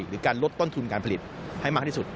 หรือการลดต้นทุนการผลิตให้มากที่สุด